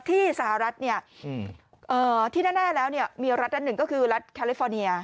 ที่สหรัฐเนี่ยที่แน่แล้วเนี่ยมีรัฐอันหนึ่งก็คือรัฐแคลิฟอร์เนีย